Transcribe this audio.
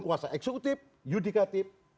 kuasa eksekutif yudikatif